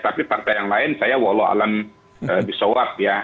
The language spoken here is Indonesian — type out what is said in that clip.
tapi partai yang lain saya walau alam disowak ya